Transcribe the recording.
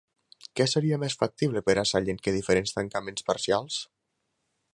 Què seria més factible per a Sallent que diferents tancaments parcials?